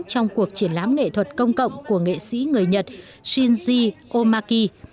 trong cuộc triển lãm nghệ thuật công cộng của nghệ sĩ người nhật shinzy omaki